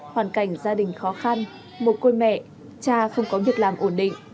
hoàn cảnh gia đình khó khăn một côi mẹ cha không có việc làm ổn định